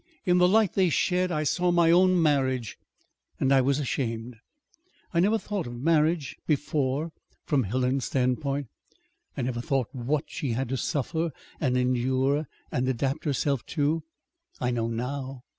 In the light they shed I saw my own marriage and I was ashamed. I never thought of marriage before from Helen's standpoint. I never thought what she had to suffer and endure, and adapt herself to. I know now.